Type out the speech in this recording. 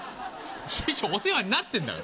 師匠お世話になってんだから。